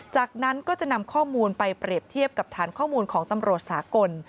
จากนั้นก็จะนำข้อมูลไปเปรียบเทียบกับฐานข้อมูลของตำรวจสากล